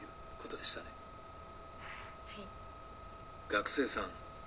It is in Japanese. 学生さん。